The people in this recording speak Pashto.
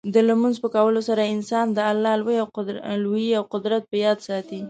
د لمونځ په کولو سره انسان د الله لویي او قدرت په یاد ساتي.